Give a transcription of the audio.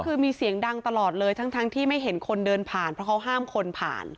คือมีเสียงดังตลอดเลยทั้งที่ไม่เห็นคนเดินผ่านเพราะเขาห้ามคนผ่าน